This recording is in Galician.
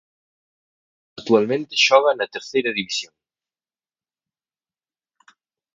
Actualmente xoga na Terceira División.